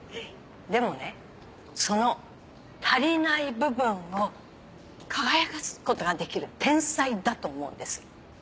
でもねその足りない部分を輝かすことができる天才だと思うんです。